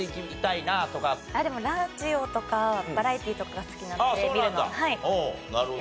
あっでもラジオとかバラエティーとかが好きなので見るの。